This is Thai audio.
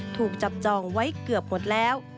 ถูกจับจองไว้เกือบหมดแล้ว